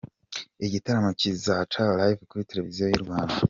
Igitaramo kizaca Live kuri televiziyo y’u Rwanda.